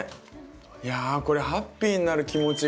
いやこれハッピーになる気持ちが。